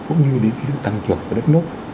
cũng như đến cái tăng trưởng của đất nước